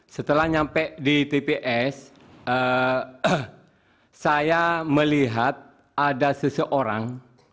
setelah nyampe di tps saya melihat ada seseorang